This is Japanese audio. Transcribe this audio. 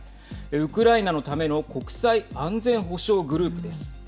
ウクライナのための国際安全保障グループです。